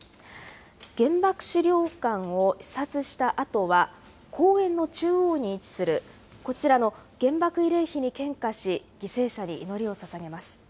原爆資料館を視察したあとは、公園の中央に位置するこちらの原爆慰霊碑に献花し、犠牲者に祈りをささげます。